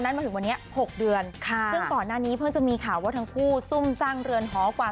นับมุจจักรวันนี้วันนั้นมาถึงวันนี้๖เดือน